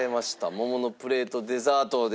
桃のプレートデザートで。